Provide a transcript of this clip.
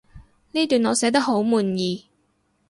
呢段我寫得好滿意